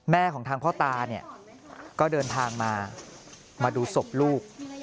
แม่ของทางพ่อตาก็เดินทางมามาดูศพลูก